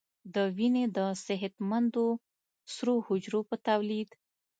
د وینې د صحتمندو سرو حجرو په تولید